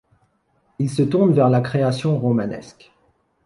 Il se tourne vers la création romanesque.